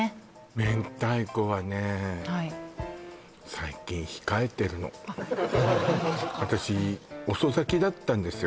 明太子はねはい最近控えてるの私遅咲きだったんですよ